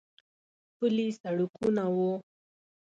پلي سړکونه و.